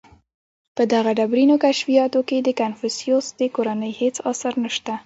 • په دغو ډبرینو کشفیاتو کې د کنفوسیوس د کورنۍ هېڅ آثار نهشته.